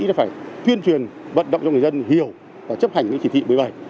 là phải tuyên truyền vận động cho người dân hiểu và chấp hành những chỉ thị bởi bài